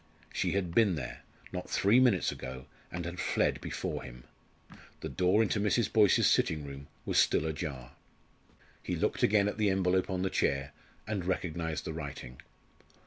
She had been there, not three minutes ago, and had fled before him. The door into Mrs. Boyce's sitting room was still ajar. He looked again at the envelope on the chair, and recognised the writing.